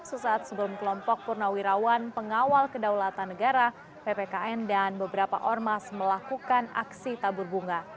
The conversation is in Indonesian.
sesaat sebelum kelompok purnawirawan pengawal kedaulatan negara ppkn dan beberapa ormas melakukan aksi tabur bunga